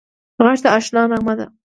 غږ د اشنا نغمه ده